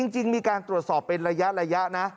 จริงมีการตรวจสอบเป็นระยะนะ